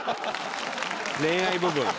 恋愛部分。